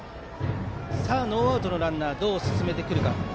ノーアウトのランナーをどう進めてくるか。